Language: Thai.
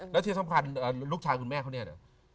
แล้วที่สำคัญลูกชายคุณแม่เขาเนี่ย